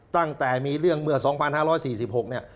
ตั้งแต่มีเรื่องเมื่อสองพันห้าร้อยสี่สิบหกเนี่ย